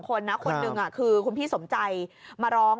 คนนะคนหนึ่งคือคุณพี่สมใจมาร้อง